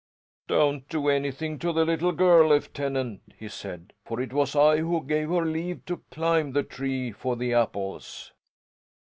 "Don't do anything to the little girl, Lieutenant!" he said. "For it was I who gave her leave to climb the tree for the apples."